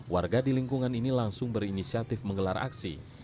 warga di lingkungan ini langsung berinisiatif menggelar aksi